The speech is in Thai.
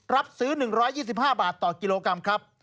รับซื้อ๑๒๕บาทต่อกิโลกรัมครับ